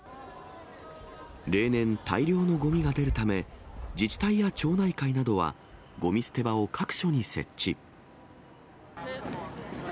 例年、大量のごみが出るため、自治体や町内会などは、ごみ捨て場を各所に設置。